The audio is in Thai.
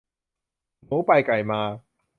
หมูไปไก่มา